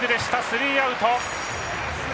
スリーアウト。